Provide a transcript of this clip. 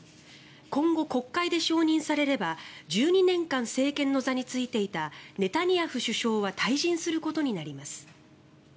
今後、国会で承認されれば１２年間政権の座に就いていたネタニヤフ首相は退陣することになります。